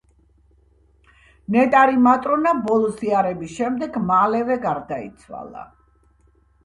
ნეტარი მატრონა ბოლო ზიარების შემდეგ მალევე გარდაიცვალა.